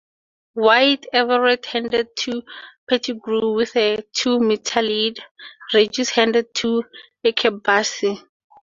While Everett handed to Pettigrew with a two-metre lead, Regis handed to Akabusi.